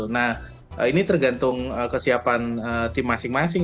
nah ini tergantung kesiapan tim masing masing